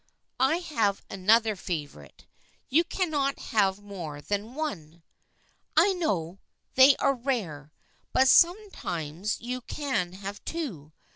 I have another favorite. You cannot have more than one." " I know they are rare, but sometimes you can have two.